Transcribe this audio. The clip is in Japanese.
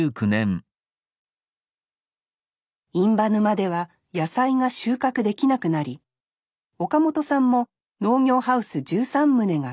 印旛沼では野菜が収穫できなくなり岡本さんも農業ハウス１３棟が全て倒壊。